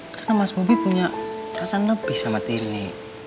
karena mas bobby punya perasaan lebih sama tini